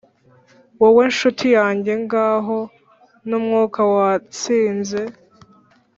wowe nshuti yanjye ngaho numwuka watsinze